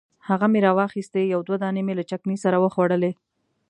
هغه مې راواخیستې یو دوه دانې مې له چکني سره وخوړلې.